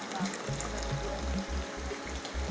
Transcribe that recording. sebaik ada sendiri perasa saya di sini